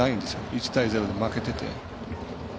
１対０で負けてて。